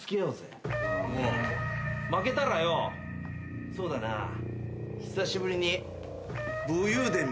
負けたらよそうだな久しぶりに。